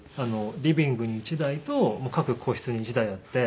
リビングに１台と各個室に１台あって。